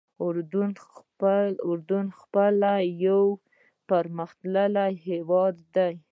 اردن پخپله یو پرمختللی هېواد دی.